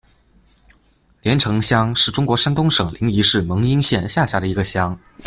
联城乡是中国山东省临沂市蒙阴县下辖的一个乡。